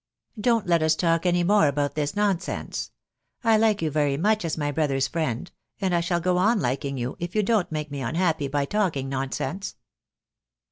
Don't let us talk any more about this nonsense. I like you very much as my brother's friend, and I shall go on liking you if you don't make me unhappy by talk ing nonsense."